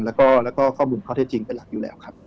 แล้วก็ข้อมูลข้อเท็จจริงเป็นหลักอยู่แล้วครับ